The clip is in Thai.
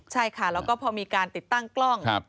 ใช่ค่ะแล้วก็พอมีการติดตั้งกล้อง